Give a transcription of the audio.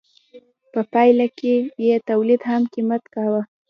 په پایله کې یې تولید هم قیمت کاوه.